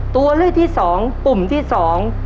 ตัวเลือกที่สองปุ่มที่สอง